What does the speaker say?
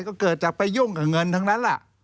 ก็เกิดจากไปยุ่งกับเงินทั้งนั้นแหละ